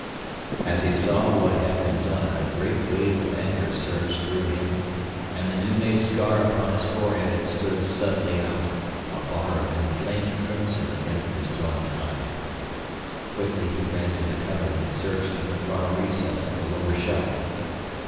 As he saw what had been done a great wave of anger surged through him, and the new made scar upon his forehead stood suddenly out, a bar of inflamed crimson against his tawny hide. Quickly he ran to the cupboard and searched in the far recess of the lower shelf.